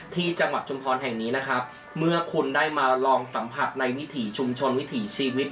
ที่จังหวัดชุมพรแห่งนี้นะครับเมื่อคุณได้มาลองสัมผัสในวิถีชุมชนวิถีชีวิต